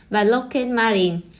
và lockheed martin